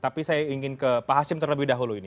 tapi saya ingin ke pak hashim terlebih dahulu ini